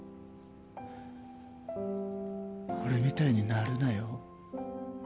俺みたいになるなよ